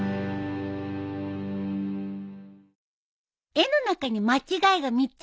絵の中に間違いが３つあるよ。